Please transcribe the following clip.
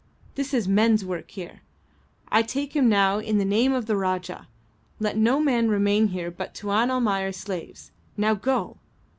This is men's work here. I take him now in the name of the Rajah. Let no man remain here but Tuan Almayer's slaves. Now go!"